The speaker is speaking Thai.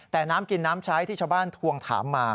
แต่น้ำกินน้ำใช้ที่ชาวบ้านทวงถามมา